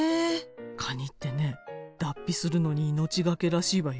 カニってね脱皮するのに命懸けらしいわよ。